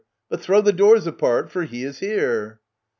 But throw the doors apart — for he is here